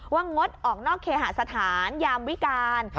งดออกนอกเคหาสถานยามวิการ